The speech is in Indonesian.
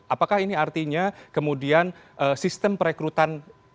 apakah ini artinya kemudian sistem perekrutan